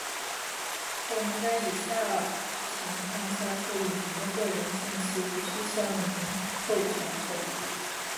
我们在以下情况下处理您的个人信息无需您的授权同意：